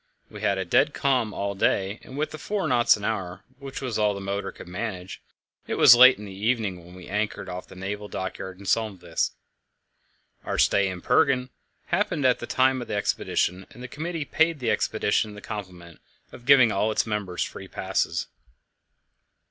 We had a dead calm all day, and with the four knots an hour, which was all the motor could manage, it was late in the evening when we anchored off the naval dockyard in Solheimsvik. Our stay in Bergen happened at the time of the exhibition, and the committee paid the expedition the compliment of giving all its members free passes.